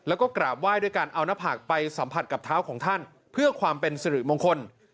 เอานักภาคไปสัมผัสกับเท้าของท่านเพื่อความเป็นสิริมงคล